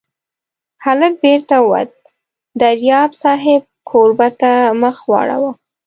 هلک بېرته ووت، دریاب صاحب کوربه ته مخ واړاوه.